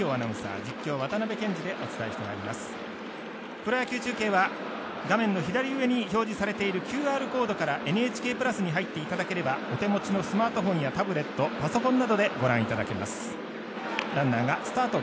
プロ野球中継は画面の左上に表示されているＱＲコードから「ＮＨＫプラス」に入っていただければお手持ちのスマートフォンやタブレットパソコンなどでご覧いただけます。